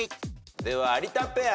では有田ペア。